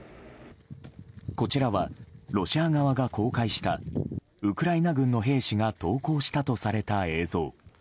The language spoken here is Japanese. こちらはロシア側が公開したウクライナ軍の兵士が投降したとされた映像。